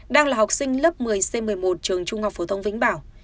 đang là học sinh lớp một mươi c một mươi một trường trung học phổ thông vĩnh bảo